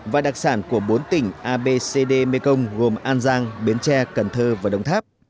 và đặc sản của bốn tỉnh abcd mekong gồm an giang biến tre cần thơ và đông tháp